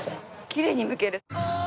きれいにむける。